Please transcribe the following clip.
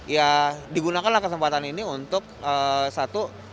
ya digunakanlah kesempatan ini untuk satu